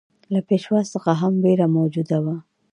له پېشوا څخه هم وېره موجوده وه.